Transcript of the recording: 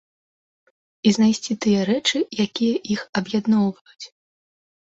І знайсці тыя рэчы, якія іх аб'ядноўваюць.